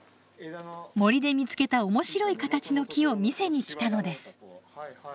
森で見つけた面白い形の木を見せに来たのです。